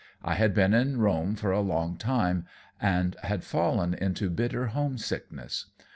I had been in Rome for a long time, and had fallen into bitter homesickness.